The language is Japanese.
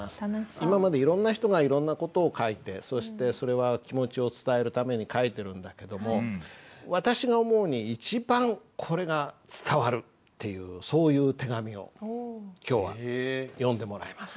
今までいろんな人がいろんな事を書いてそしてそれは気持ちを伝えるために書いてるんだけども私が思うに一番これが伝わる！っていうそういう手紙を今日は読んでもらいます。